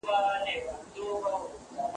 په ادارو کي باید د حساب ورکولو سیسټم وي.